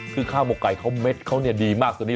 คือข้าวโบไก่ข้อเม็ดเขาดีมาก